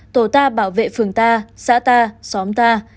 tổ ta bảo vệ phường ta xã ta xóm ta